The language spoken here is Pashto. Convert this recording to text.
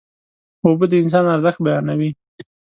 اوبه د انسان ارزښت بیانوي.